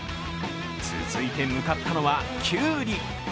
続いて向かったのは、きゅうり。